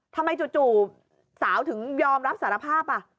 จู่สาวถึงยอมรับสารภาพ